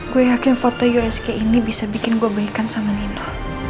gue yakin foto usg ini bisa bikin gue baikan sama nino